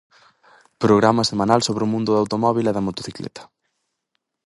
Programa semanal sobre o mundo do automóbil e da motocicleta.